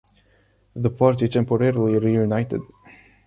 The party temporarily reunited.